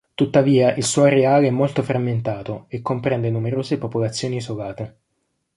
Tuttavia, il suo areale è molto frammentato e comprende numerose popolazioni isolate.